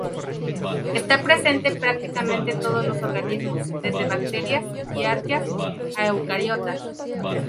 Está presente en prácticamente todos los organismos, desde bacterias y arqueas a eucariotas.